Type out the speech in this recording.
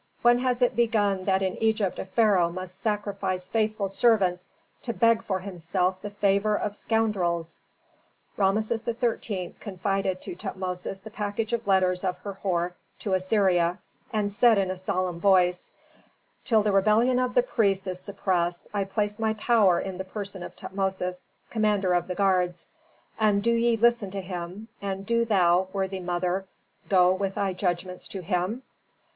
When has it begun that in Egypt a pharaoh must sacrifice faithful servants to beg for himself the favor of scoundrels?" Rameses XIII. confided to Tutmosis the package of letters of Herhor to Assyria, and said in a solemn voice, "Till the rebellion of the priests is suppressed, I place my power in the person of Tutmosis, commander of the guards. And do ye listen to him, and do thou, worthy mother, go with thy judgments to him?"